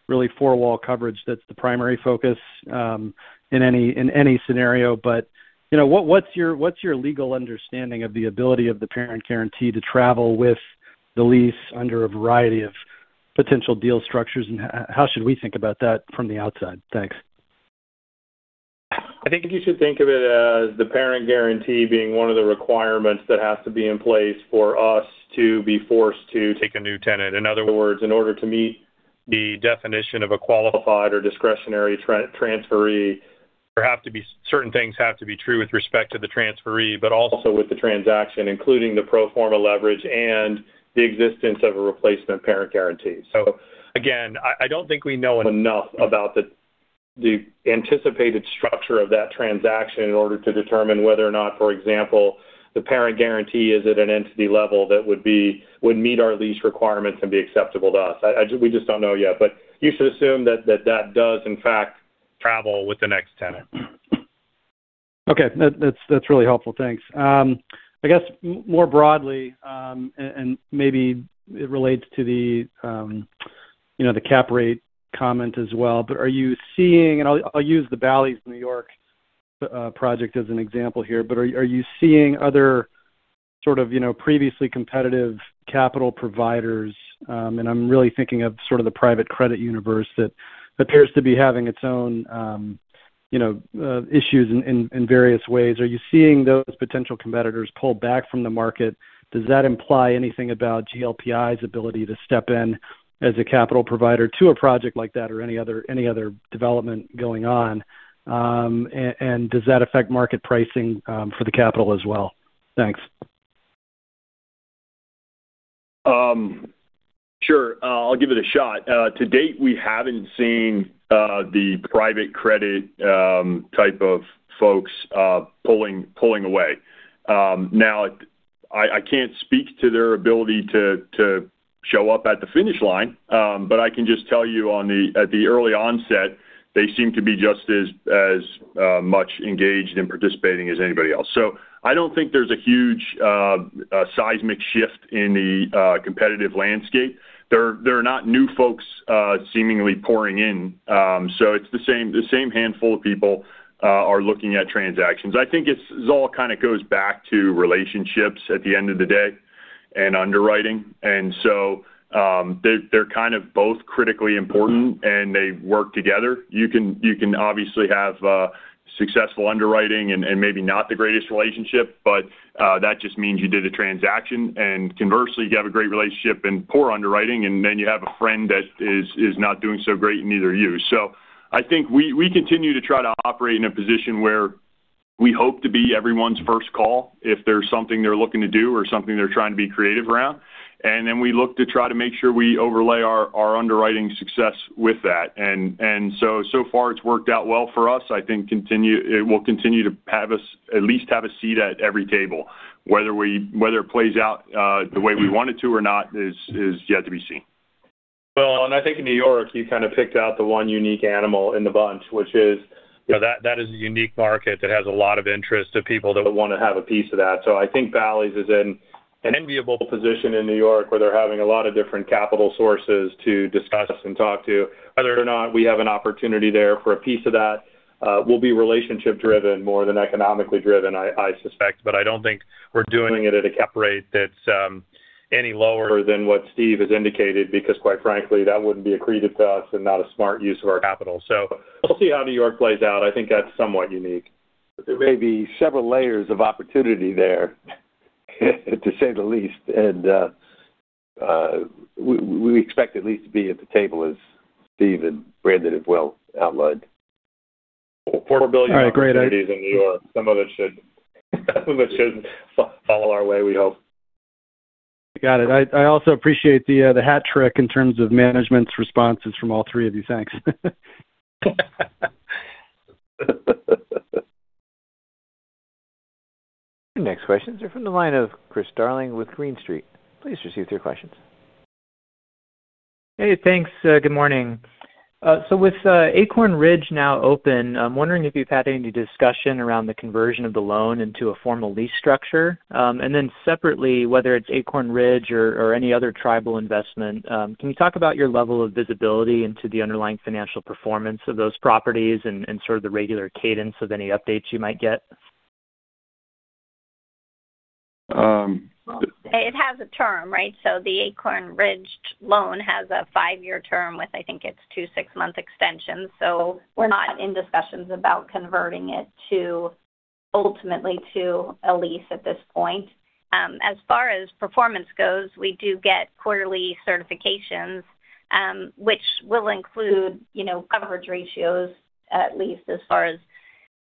really four-wall coverage that's the primary focus in any scenario. What's your legal understanding of the ability of the parent guarantee to travel with the lease under a variety of potential deal structures, and how should we think about that from the outside? Thanks. I think you should think of it as the parent guarantee being one of the requirements that has to be in place for us to be forced to take a new tenant. In other words, in order to meet the definition of a qualified or discretionary transferee, certain things have to be true with respect to the transferee, but also with the transaction, including the pro forma leverage and the existence of a replacement parent guarantee. I don't think we know enough about the anticipated structure of that transaction in order to determine whether or not, for example, the parent guarantee is at an entity level that would meet our lease requirements and be acceptable to us. We just don't know yet. You should assume that that does in fact travel with the next tenant. Okay. That's really helpful. Thanks. I guess more broadly, and maybe it relates to the cap rate comment as well, but are you seeing? I'll use the Bally's New York project as an example here. Are you seeing other sort of previously competitive capital providers, and I'm really thinking of sort of the private credit universe that appears to be having its own issues in various ways. Are you seeing those potential competitors pull back from the market? Does that imply anything about GLPI's ability to step in as a capital provider to a project like that or any other development going on? Does that affect market pricing for the capital as well? Thanks. Sure. I'll give it a shot. To date, we haven't seen the private credit type of folks pulling away. Now I can't speak to their ability to show up at the finish line, but I can just tell you at the early onset, they seem to be just as much engaged and participating as anybody else. I don't think there's a huge seismic shift in the competitive landscape. There are not new folks seemingly pouring in, so it's the same handful of people are looking at transactions. I think this all kind of goes back to relationships at the end of the day. Underwriting. They're both critically important, and they work together. You can obviously have successful underwriting and maybe not the greatest relationship, but that just means you did a transaction. Conversely, you have a great relationship and poor underwriting, and then you have a friend that is not doing so great, and neither are you. I think we continue to try to operate in a position where we hope to be everyone's first call if there's something they're looking to do or something they're trying to be creative around. Then we look to try to make sure we overlay our underwriting success with that. So far, it's worked out well for us. I think it will continue to have us at least have a seat at every table. Whether it plays out the way we want it to or not is yet to be seen. Well, I think in New York, you picked out the one unique animal in the bunch, which is. That is a unique market that has a lot of interest to people that would want to have a piece of that. I think Bally's is in an enviable position in New York where they're having a lot of different capital sources to discuss and talk to. Whether or not we have an opportunity there for a piece of that will be relationship-driven more than economically driven, I suspect. I don't think we're doing it at a cap rate that's any lower than what Steve has indicated, because quite frankly, that wouldn't be accretive to us and not a smart use of our capital. We'll see how New York plays out. I think that's somewhat unique. There may be several layers of opportunity there to say the least. We expect at least to be at the table as Steve and Brandon have well outlined. Portability- All right, great. Of opportunities in New York. Some of it should follow our way, we hope. Got it. I also appreciate the hat trick in terms of management's responses from all three of you. Thanks. The next questions are from the line of Chris Darling with Green Street. Please proceed with your questions. Hey, thanks. Good morning. With Acorn Ridge now open, I'm wondering if you've had any discussion around the conversion of the loan into a formal lease structure. Then separately, whether it's Acorn Ridge or any other tribal investment, can you talk about your level of visibility into the underlying financial performance of those properties and sort of the regular cadence of any updates you might get? It has a term, right? The Acorn Ridge loan has a five-year term with, I think it's two, six-month extensions. We're not in discussions about converting it ultimately to a lease at this point. As far as performance goes, we do get quarterly certifications, which will include coverage ratios, at least as far as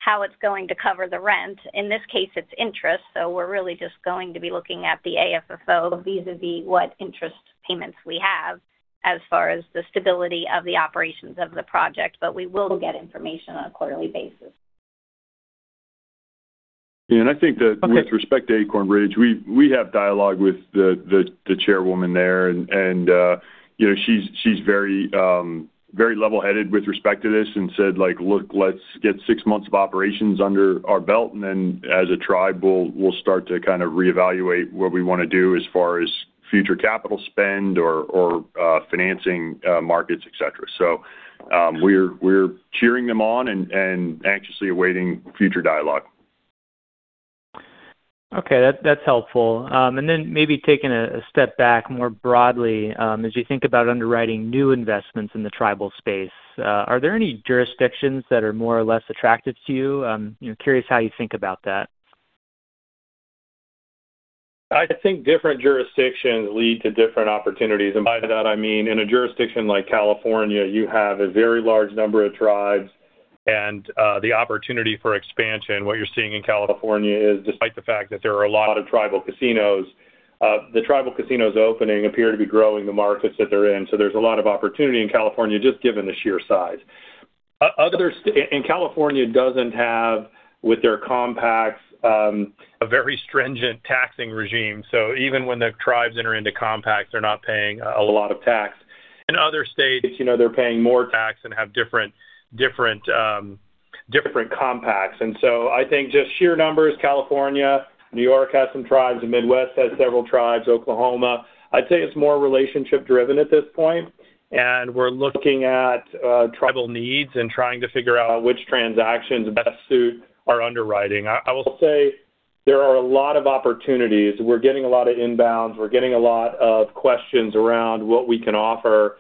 how it's going to cover the rent. In this case, it's interest, so we're really just going to be looking at the AFFO vis-a-vis what interest payments we have as far as the stability of the operations of the project. We will get information on a quarterly basis. I think that with respect to Acorn Ridge, we have dialogue with the chairwoman there, and she's very level-headed with respect to this and said, "Look, let's get six months of operations under our belt, and then as a tribe, we'll start to reevaluate what we want to do as far as future capital spend or financing markets, et cetera." We're cheering them on and anxiously awaiting future dialogue. Okay, that's helpful. Maybe taking a step back more broadly, as you think about underwriting new investments in the tribal space, are there any jurisdictions that are more or less attractive to you? I'm curious how you think about that. I think different jurisdictions lead to different opportunities. By that I mean in a jurisdiction like California, you have a very large number of tribes and the opportunity for expansion. What you're seeing in California is despite the fact that there are a lot of tribal casinos, the tribal casinos opening appear to be growing the markets that they're in. There's a lot of opportunity in California just given the sheer size. California doesn't have, with their compacts, a very stringent taxing regime. Even when the tribes enter into compacts, they're not paying a lot of tax. In other states, they're paying more tax and have different compacts. I think just sheer numbers, California, New York has some tribes, the Midwest has several tribes, Oklahoma. I'd say it's more relationship-driven at this point, and we're looking at tribal needs and trying to figure out which transactions best suit our underwriting. I will say there are a lot of opportunities. We're getting a lot of inbounds. We're getting a lot of questions around what we can offer.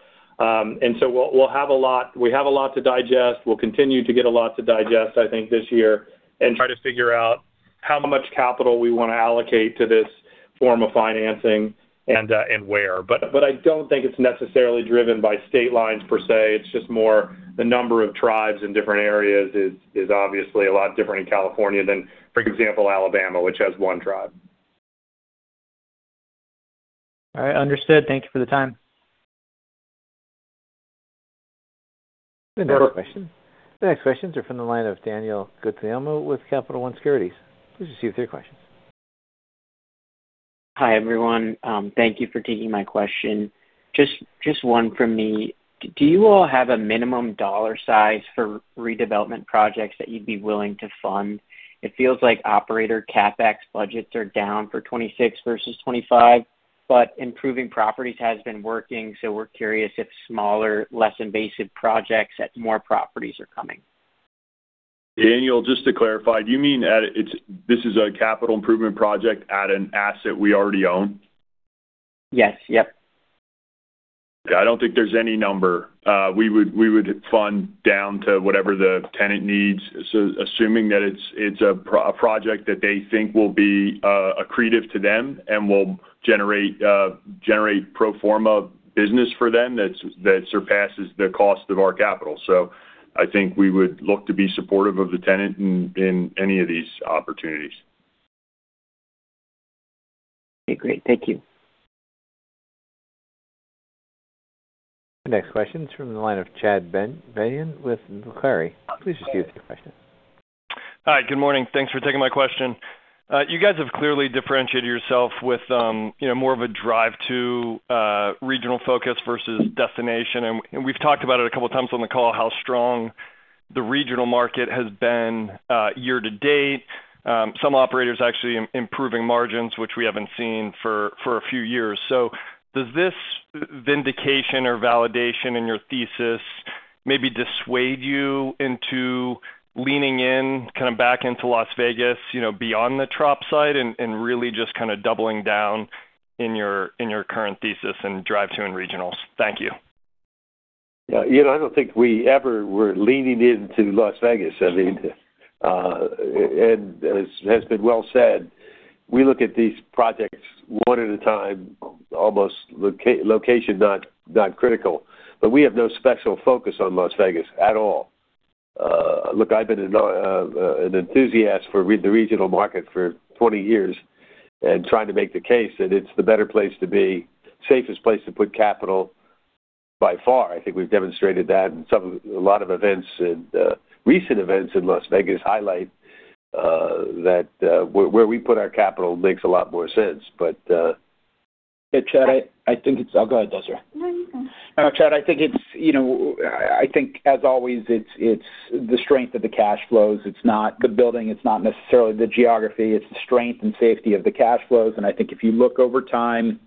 We have a lot to digest. We'll continue to get a lot to digest, I think, this year and try to figure out how much capital we want to allocate to this form of financing and where. I don't think it's necessarily driven by state lines per se. It's just more the number of tribes in different areas is obviously a lot different in California than, for example, Alabama, which has one tribe. All right. Understood. Thank you for the time. The next questions are from the line of Daniel Guglielmo with Capital One Securities. Please proceed with your questions. Hi, everyone. Thank you for taking my question. Just one from me. Do you all have a minimum dollar size for redevelopment projects that you'd be willing to fund? It feels like operator CapEx budgets are down for 2026 versus 2025, but improving properties has been working, so we're curious if smaller, less invasive projects at more properties are coming. Daniel, just to clarify, do you mean this is a capital improvement project at an asset we already own? Yes. I don't think there's any number. We would fund down to whatever the tenant needs, assuming that it's a project that they think will be accretive to them and will generate pro forma business for them that surpasses the cost of our capital. I think we would look to be supportive of the tenant in any of these opportunities. Okay, great. Thank you. The next question is from the line of Chad Beynon with Macquarie. Please proceed with your question. Hi, good morning. Thanks for taking my question. You guys have clearly differentiated yourself with more of a drive to regional focus versus destination. We've talked about it a couple times on the call, how strong the regional market has been year to date, some operators actually improving margins, which we haven't seen for a few years. Does this vindication or validation in your thesis maybe dissuade you into leaning in kind of back into Las Vegas, beyond the Trop site and really just kind of doubling down in your current thesis and drive to in regionals? Thank you. Yeah. I don't think we ever were leaning into Las Vegas. As has been well said, we look at these projects one at a time, almost location not critical, but we have no special focus on Las Vegas at all. Look, I've been an enthusiast for the regional market for 20 years and trying to make the case that it's the better place to be, safest place to put capital by far. I think we've demonstrated that in a lot of events, and recent events in Las Vegas highlight that where we put our capital makes a lot more sense. Oh, go ahead, Desiree. No, you go. No, Chad, I think as always, it's the strength of the cash flows. It's not the building, it's not necessarily the geography. It's the strength and safety of the cash flows. I think if you look over time,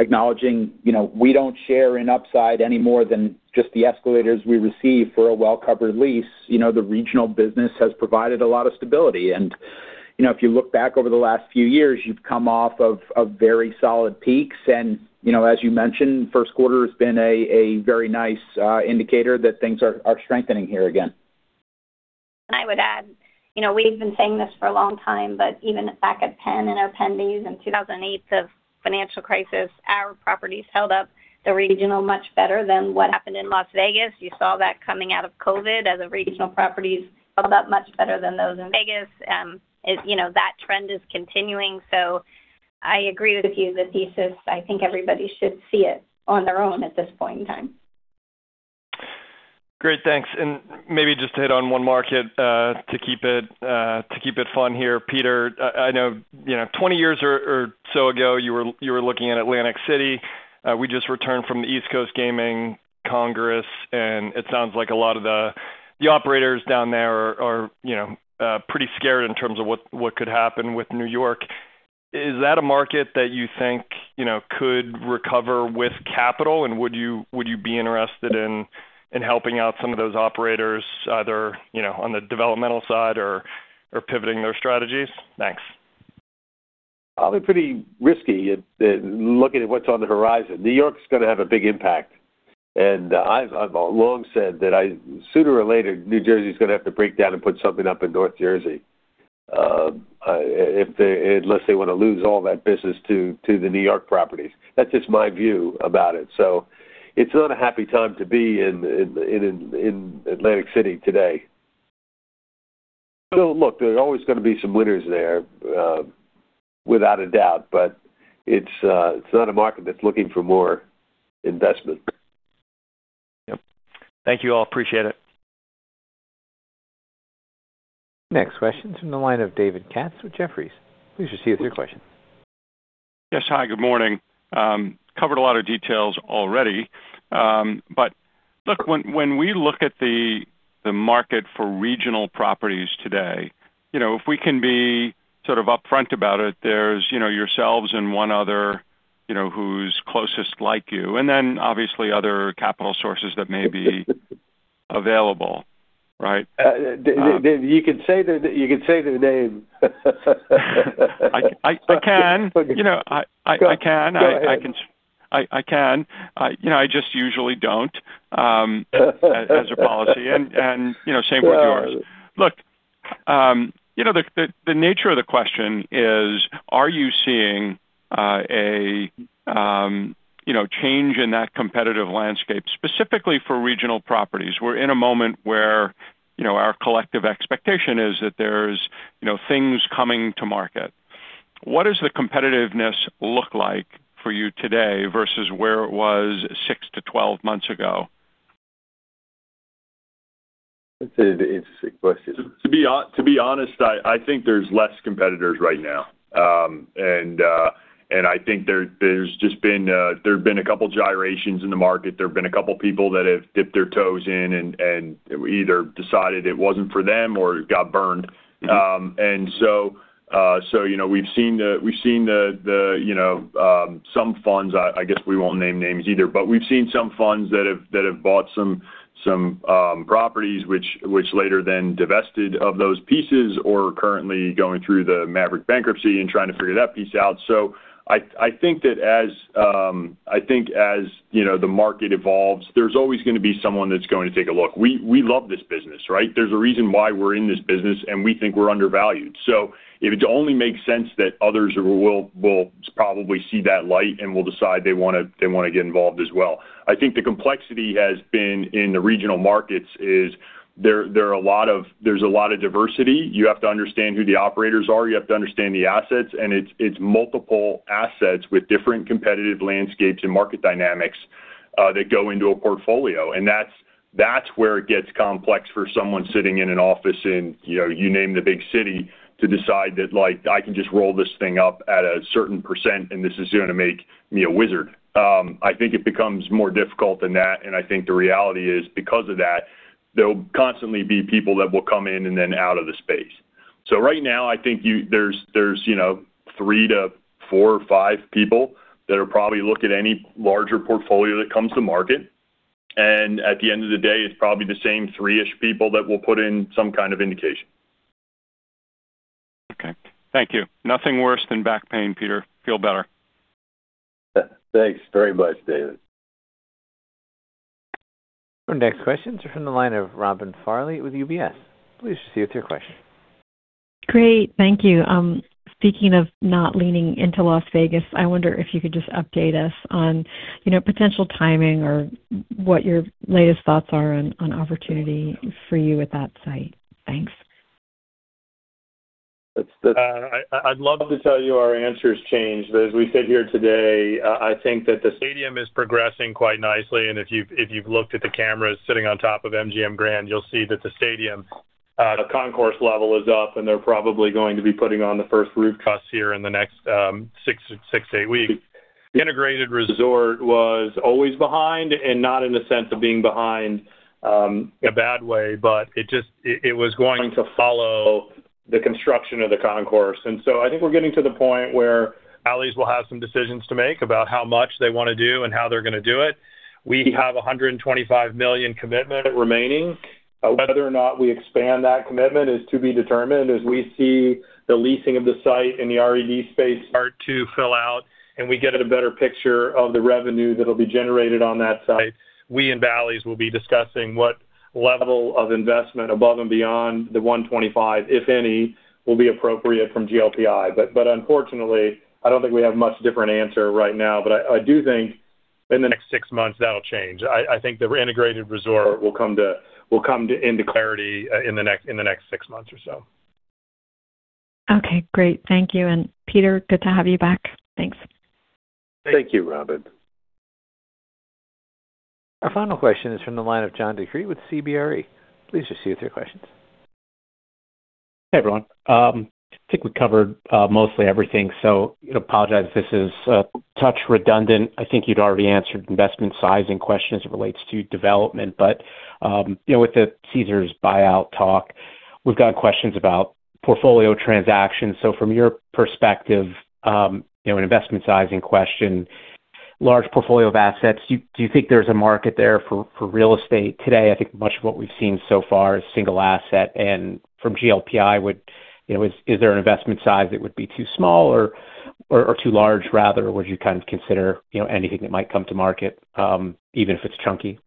acknowledging we don't share in upside any more than just the escalators we receive for a well-covered lease. The regional business has provided a lot of stability. If you look back over the last few years, you've come off of very solid peaks. As you mentioned, first quarter has been a very nice indicator that things are strengthening here again. I would add, we've been saying this for a long time, but even back at PENN, in our PENN days in the 2008 financial crisis, our regional properties held up much better than what happened in Las Vegas. You saw that coming out of COVID, as the regional properties held up much better than those in Vegas. That trend is continuing. I agree with you, the thesis. I think everybody should see it on their own at this point in time. Great. Thanks. Maybe just to hit on one market, to keep it fun here. Peter, I know 20 years or so ago, you were looking at Atlantic City. We just returned from the East Coast Gaming Congress, and it sounds like a lot of the operators down there are pretty scared in terms of what could happen with New York. Is that a market that you think could recover with capital? And would you be interested in helping out some of those operators, either on the developmental side or pivoting their strategies? Thanks. Probably pretty risky looking at what's on the horizon. New York's going to have a big impact. I've long said that sooner or later, New Jersey's going to have to break down and put something up in North Jersey. Unless they want to lose all that business to the New York properties. That's just my view about it. It's not a happy time to be in Atlantic City today. Look, there's always going to be some winners there, without a doubt, but it's not a market that's looking for more investment. Yep. Thank you all. Appreciate it. Next question is from the line of David Katz with Jefferies. Please proceed with your question. Yes. Hi, good morning. Covered a lot of details already. Look, when we look at the market for regional properties today, if we can be sort of upfront about it, there's yourselves and one other who's closest like you, and then obviously other capital sources that may be available, right? You can say the name. I can. Go ahead. I can. I just usually don't as a policy and same with yours. Look, the nature of the question is, are you seeing a change in that competitive landscape, specifically for regional properties? We're in a moment where our collective expectation is that there's things coming to market. What does the competitiveness look like for you today versus where it was six to 12 months ago? That's an interesting question. To be honest, I think there's less competitors right now. I think there have been a couple gyrations in the market. There have been a couple people that have dipped their toes in and either decided it wasn't for them or got burned. We've seen some funds, I guess we won't name names either, but we've seen some funds that have bought some properties which later then divested of those pieces or are currently going through the Maverick bankruptcy and trying to figure that piece out. I think that as the market evolves, there's always going to be someone that's going to take a look. We love this business, right? There's a reason why we're in this business, and we think we're undervalued. It only makes sense that others will probably see that light and will decide they want to get involved as well. I think the complexity has been in the regional markets is there's a lot of diversity. You have to understand who the operators are. You have to understand the assets, and it's multiple assets with different competitive landscapes and market dynamics that go into a portfolio. That's where it gets complex for someone sitting in an office in, you name the big city, to decide that, "I can just roll this thing up at a certain percent, and this is going to make me a wizard." I think it becomes more difficult than that, and I think the reality is because of that, there'll constantly be people that will come in and then out of the space. Right now, I think there's three to four or five people that'll probably look at any larger portfolio that comes to market. At the end of the day, it's probably the same three-ish people that will put in some kind of indication. Okay. Thank you. Nothing worse than back pain, Peter. Feel better. Thanks very much, David. Our next questions are from the line of Robin Farley with UBS. Please proceed with your question. Great. Thank you. Speaking of not leaning into Las Vegas, I wonder if you could just update us on potential timing or what your latest thoughts are on opportunity for you at that site? Thanks. I'd love to tell you our answer's changed, but as we sit here today, I think that the stadium is progressing quite nicely, and if you've looked at the cameras sitting on top of MGM Grand, you'll see that the stadium concourse level is up, and they're probably going to be putting on the first roof cuts here in the next six to eight weeks. The integrated resort was always behind, and not in the sense of being behind in a bad way, but it was going to follow the construction of the concourse. I think we're getting to the point where Bally's will have some decisions to make about how much they want to do and how they're going to do it. We have $125 million commitment remaining. Whether or not we expand that commitment is to be determined. As we see the leasing of the site and the retail space start to fill out and we get a better picture of the revenue that'll be generated on that site, we and Bally's will be discussing what level of investment above and beyond the $125 million, if any, will be appropriate from GLPI. Unfortunately, I don't think we have a much different answer right now, but I do think in the next six months, that'll change. I think the integrated resort will come into clarity in the next six months or so. Okay, great. Thank you. Peter, good to have you back. Thanks. Thank you, Robin. Our final question is from the line of John DeCree with CBRE. Please proceed with your questions. Hey, everyone. I think we covered mostly everything. I apologize if this is a touch redundant. I think you'd already answered investment sizing questions as it relates to development. With the Caesars buyout talk, we've got questions about portfolio transactions. From your perspective, an investment sizing question, large portfolio of assets, do you think there's a market there for real estate today? I think much of what we've seen so far is single asset. From GLPI, is there an investment size that would be too small or too large, rather? Would you kind of consider anything that might come to market, even if it's chunky?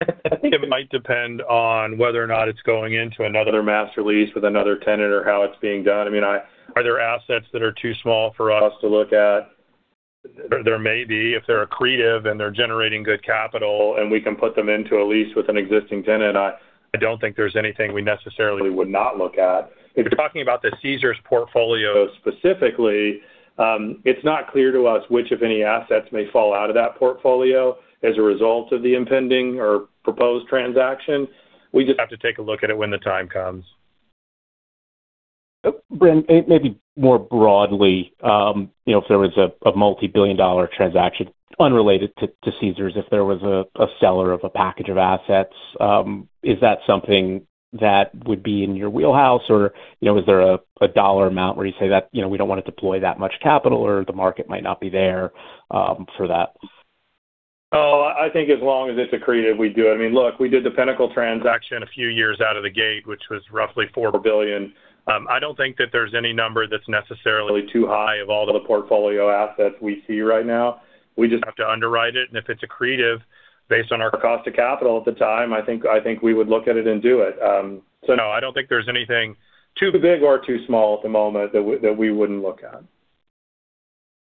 I think it might depend on whether or not it's going into another Master Lease with another tenant or how it's being done. I mean, are there assets that are too small for us to look at? There may be. If they're accretive and they're generating good capital and we can put them into a lease with an existing tenant, I don't think there's anything we necessarily would not look at. If you're talking about the Caesars portfolio specifically, it's not clear to us which, if any, assets may fall out of that portfolio as a result of the impending or proposed transaction. We just have to take a look at it when the time comes. Brandon, maybe more broadly, if there was a multi-billion dollar transaction unrelated to Caesars, if there was a seller of a package of assets, is that something that would be in your wheelhouse? Or is there a dollar amount where you say that we don't want to deploy that much capital, or the market might not be there for that? Oh, I think as long as it's accretive, we do. I mean, look, we did the Pinnacle transaction a few years out of the gate, which was roughly $4 billion. I don't think that there's any number that's necessarily too high of all the portfolio assets we see right now. We just have to underwrite it, and if it's accretive, based on our cost of capital at the time, I think we would look at it and do it. No, I don't think there's anything too big or too small at the moment that we wouldn't look at.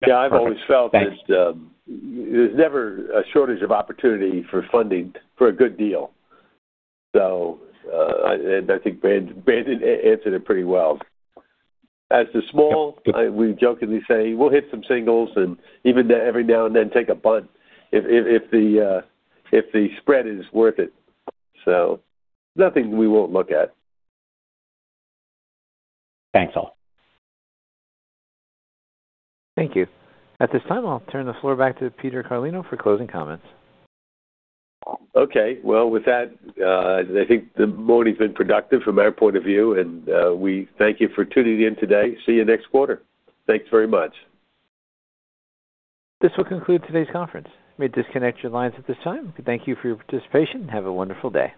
Perfect. Thanks. Yeah, I've always felt there's never a shortage of opportunity for funding for a good deal. I think Brandon answered it pretty well. As to small, we jokingly say we'll hit some singles and even every now and then take a bunt if the spread is worth it. Nothing we won't look at. Thanks, all. Thank you. At this time, I'll turn the floor back to Peter Carlino for closing comments. Okay. Well, with that, I think the morning's been productive from our point of view, and we thank you for tuning in today. See you next quarter. Thanks very much. This will conclude today's conference. You may disconnect your lines at this time. Thank you for your participation and have a wonderful day.